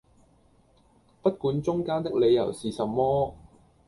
不管中間的理由是什麼！